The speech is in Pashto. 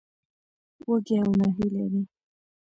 وږي او نهيلي دي.